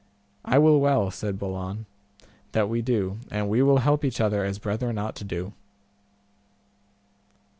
I will well, said Balan, that we do, and we will help each other as brethren ought to do.